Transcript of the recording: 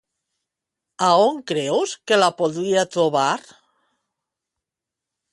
A on creus que la podria trobar?